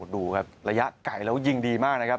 ดูครับระยะไก่แล้วยิงดีมากนะครับ